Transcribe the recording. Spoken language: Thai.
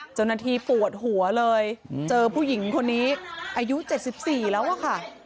เจ้าหน้าที่ปวดหัวเลยเจอผู้หญิงคนนี้อายุ๗๔แล้วอะค่ะ